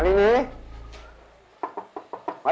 selamat tengah hari pak